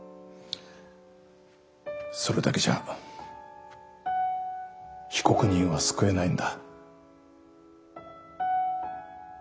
それだけじゃ被告人は救えないんだ。